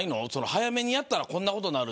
早めにやったらこんなことになる。